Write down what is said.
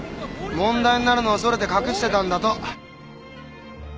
問題になるのを恐れて隠してたんだと。